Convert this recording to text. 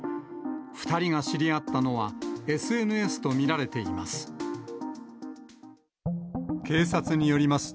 ２人が知り合ったのは、ＳＮＳと見られています。